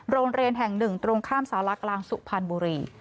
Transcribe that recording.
โรงเรียนแห่งหนึ่งตรงข้ามสารากลางสุพรรณบุรี